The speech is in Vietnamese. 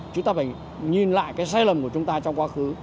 chúng ta phải nhìn lại cái sai lầm của chúng ta trong quá khứ